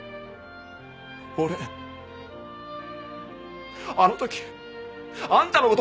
俺あの時あんたの事